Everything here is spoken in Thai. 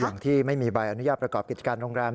ที่ไม่มีใบอนุญาตประกอบกิจการโรงแรม